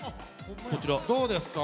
どうですか？